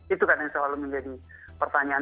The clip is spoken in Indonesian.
itu kan yang selalu menjadi pertanyaan